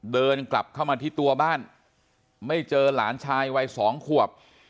เดินกลับเข้ามาที่ตัวบ้านไม่เจอหลานชายวัยสองขวบ